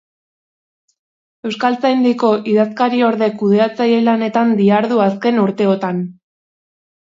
Euskaltzaindiko idazkariorde-kudeatzaile lanetan dihardu azken urteotan.